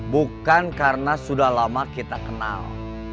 bukan karena sudah lama kita kenal